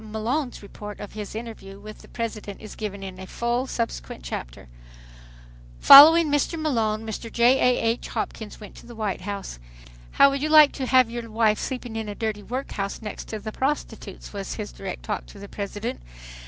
Malone's report of his interview with the President is given in full in a subsequent chapter. Following Mr. Malone, Mr. J. A. H. Hopkins went to the White House. "How would you like to have your wife sleep in a dirty workhouse next to prostitutes?" was his direct talk to the President.